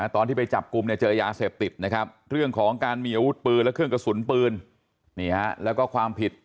ตอนที่ไปจับกลุ่มเจอยาเสพติดนะครับเรื่องของการมีอาวุธปืนและเครื่องกระสุนปืนแล้วก็ความผิด